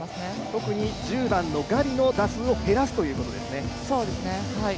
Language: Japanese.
特に１０番のガビの打数を減らすということですね。